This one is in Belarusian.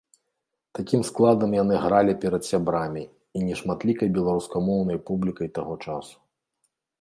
Такім складам яны гралі перад сябрамі і нешматлікай беларускамоўнай публікай таго часу.